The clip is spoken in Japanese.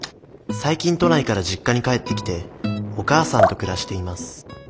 最近都内から実家に帰ってきてお母さんと暮らしています